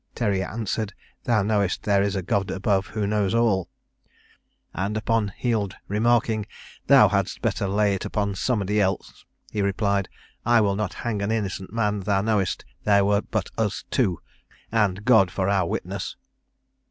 Terry answered, "Thou knowest there is a God above, who knows all;" and upon Heald remarking, "Thou hadst better lay it upon somebody else," he replied, "I will not hang an innocent man; thou knowest there were but us two, and God for our witness."